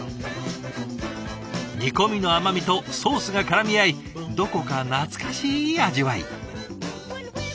煮込みの甘みとソースがからみ合いどこか懐かしい味わい。